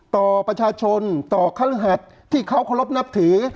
ต่อประชาชนต่อคฤหัสที่เขาเคารพนับถือ